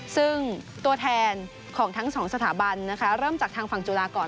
ซึ่งตัวแทนของทั้งสองสถาบันนะคะเริ่มจากทางฝั่งจุฬาก่อน